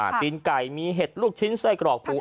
ตีนไก่มีเห็ดลูกชิ้นไส้กรอกถูก